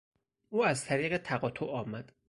او از طریق تقاطع آمد.